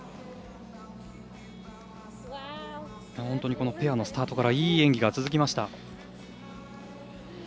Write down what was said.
本当にこのペアのスタートからいい演技が続きました。